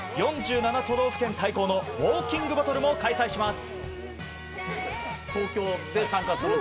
４７都道府県対抗のウォーキングバトルも開催します。